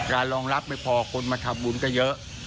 รองรับไม่พอคนมาทำบุญก็เยอะ